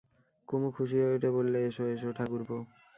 কুমু খুশি হয়ে উঠে বললে, এসো, এসো ঠাকুরপো।